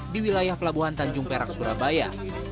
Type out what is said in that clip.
di wilayah pelabuhan tanjung perak surabaya